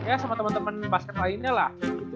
ya sama temen temen basket lainnya lah